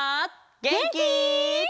げんき？